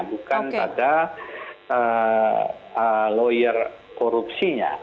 bukan pada lawyer korupsinya